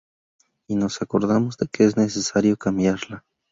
y nos acordamos de que es necesario cambiarla